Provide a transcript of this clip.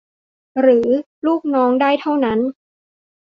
หรือลูกน้องได้เท่านั้น